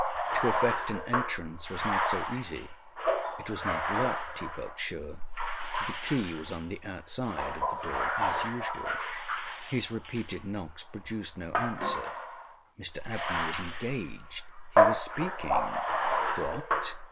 To effect an entrance was not so easy. It was not locked, he felt sure, for the key was on the outside of the door as usual. His repeated knocks produced no answer. Mr Abney was engaged: he was speaking. What!